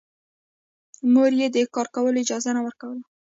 مور يې د کار کولو اجازه نه ورکوله